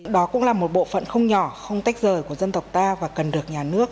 đó cũng là một bộ phận không nhỏ không tách rời của dân tộc ta và cần được nhà nước